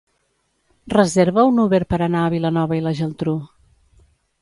Reserva un Uber per anar a Vilanova i la Geltrú.